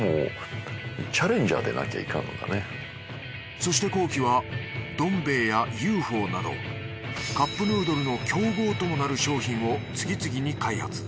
そして宏基はどん兵衛やＵ．Ｆ．Ｏ．などカップヌードルの競合ともなる商品を次々に開発。